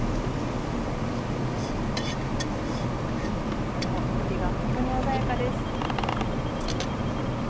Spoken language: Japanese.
にらの緑がホントに鮮やかです。